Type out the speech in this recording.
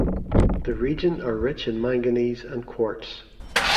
The region are rich in manganese and quartz.